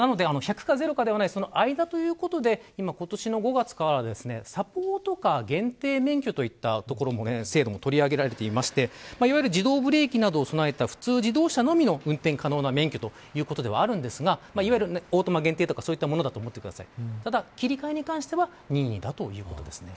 なので１００か０かではないその間ということで今年の５月からサポートカー限定免許といった制度も取り上げられていましていわゆる自動ブレーキなどを備えた普通自動車並みの運転可能な免許ということではあるんですがいわゆる、オートマ限定とかそういったものと思ってください。